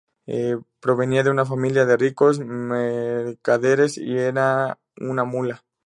Provenía de una familia de ricos mercaderes y era un mulá.